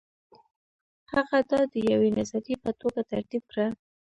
هغه دا د یوې نظریې په توګه ترتیب کړه.